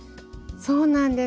そうなんです。